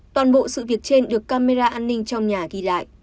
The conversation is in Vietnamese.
toàn bộ sự việc trên được camera an ninh trong nhà ghi lại